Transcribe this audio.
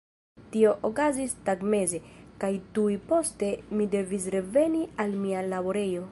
Tio okazis tagmeze, kaj tuj poste mi devis reveni al mia laborejo.